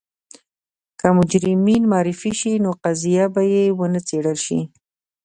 که مجرمین معرفي شي نو قضیه به یې ونه څېړل شي.